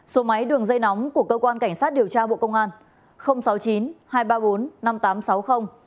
số máy đường dây nóng của cơ quan cảnh sát điều tra bộ công an